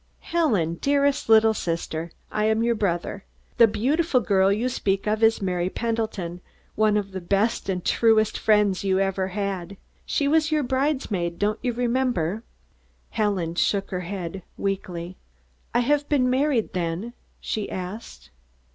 "Helen, dearest little sister, I am your brother. The beautiful girl you speak of is Mary Pendleton, one of the best and truest friends you ever had. She was your bridesmaid, don't you remember?" Helen shook her head weakly. "I have been married, then?" she asked.